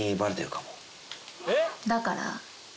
だから？